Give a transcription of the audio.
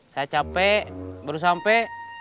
saya capek baru sampai